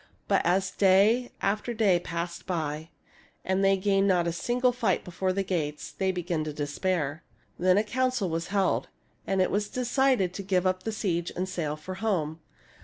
But as day after day passed by, and they gained not a single fight before the gates, they began to despair. Then a council was held, and it was decided to give up the siege and sail for home.